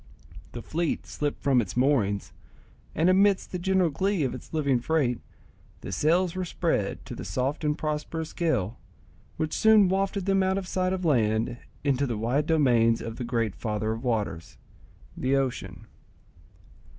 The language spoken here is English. The fleet slipped from its moorings, and, amidst the general glee of its living freight, the sails were spread to the soft and prosperous gale, which soon wafted them out of sight of land into the wide domains of the great father of waters, the ocean.